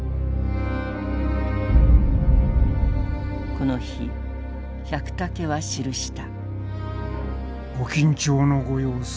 この日百武は記した。